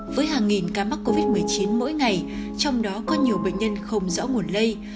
với hàng nghìn ca mắc covid một mươi chín mỗi ngày trong đó có nhiều bệnh nhân không rõ nguồn lây